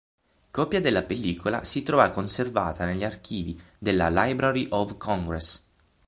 Copia della pellicola si trova conservata negli archivi della Library of Congress.